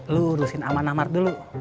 lu urusin amanah mart dulu